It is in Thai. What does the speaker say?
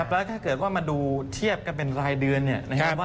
แล้วถ้าเกิดว่ามาดูเทียบกันเป็นรายเดือน